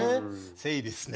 セイですね。